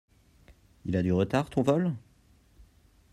Il a du retard ton vol?